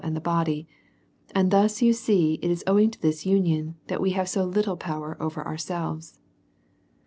and body ; and thus you see it is owing to this union that we have so Uttle power over ourselves.